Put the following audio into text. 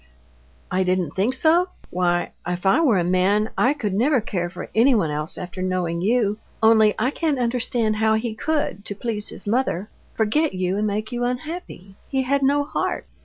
"I didn't think so? Why, if I were a man, I could never care for anyone else after knowing you. Only I can't understand how he could, to please his mother, forget you and make you unhappy; he had no heart."